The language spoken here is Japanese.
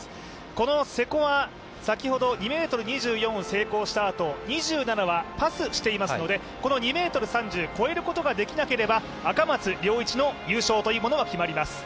この瀬古は２ｍ２４を成功したあと２７はパスしていますのでこの２ｍ３０を越えることができなければ、赤松諒一の優勝が決まります。